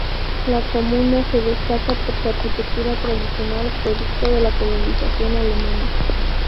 La comuna se destaca por su arquitectura tradicional producto de la Colonización Alemana.